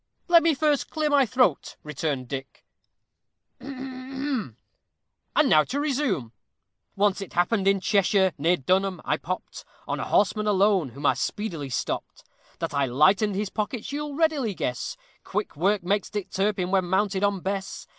"Let me first clear my throat," returned Dick; "and now to resume:" Once it happened in Cheshire, near Dunham, I popped On a horseman alone, whom I speedily stopped; That I lightened his pockets you'll readily guess Quick work makes Dick Turpin when mounted on Bess.